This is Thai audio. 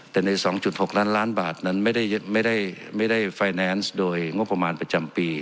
แต่ในสองจุดหกลานล้านบาทนั้นไม่ได้ไม่ได้ไม่ได้โดยงบประมาณประจำปี